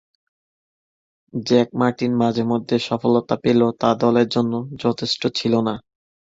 Jack Martin মাঝে-মধ্যে সফলতা পেলেও তা দলের জন্য যথেষ্ট ছিল না।